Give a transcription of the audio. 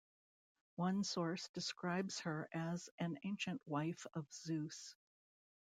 One source describes her as an ancient wife of Zeus.